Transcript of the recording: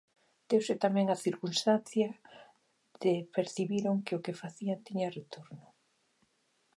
Deuse tamén a circunstancia de percibiron que o que facían tiña retorno.